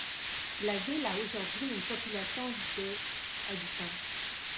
La ville a aujourd'hui une population de habitants.